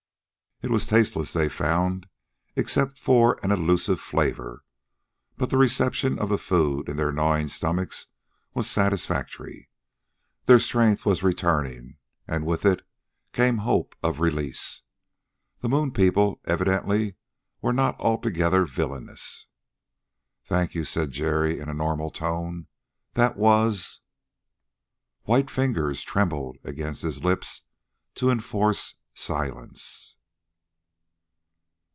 It was tasteless, they found, except for an elusive flavor, but the reception of the food in their gnawing stomachs was satisfactory. Their strength was returning, and with it came hope of release. The moon people, evidently, were not altogether villainous. "Thank you," said Jerry in a normal tone, "that was " White fingers trembled against his lips to enforce silence.